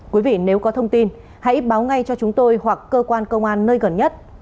quý vị nếu có thông tin hãy báo ngay cho chúng tôi hoặc cơ quan công an nơi gần nhất